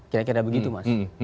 kira kira begitu mas